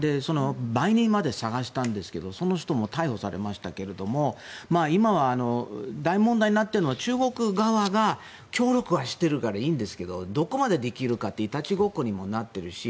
売人まで捜したんですけどその人も逮捕されましたけど今は大問題になっているのは中国側は協力はしているからいいんですけどどこまでできるかといういたちごっこになっているし